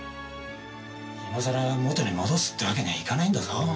今さら元に戻すってわけにはいかないんだぞ。